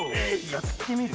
やってみる？